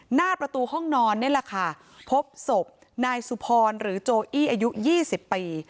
หน้าประตูห้องนอนนี่แหละค่ะพบศพนายสุพรหรือโจอี้อายุ๒๐ปี